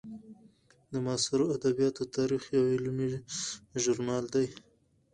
د معاصرو ادبیاتو تاریخ یو علمي ژورنال دی.